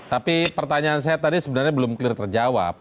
tapi pertanyaan saya tadi sebenarnya belum clear terjawab